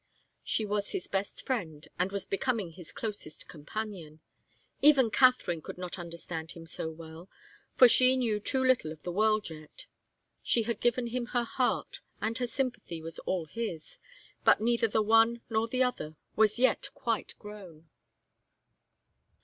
She was his best friend and was becoming his closest companion. Even Katharine could not understand him so well, for she knew too little of the world yet. She had given him her heart, and her sympathy was all his, but neither the one nor the other was yet quite grown.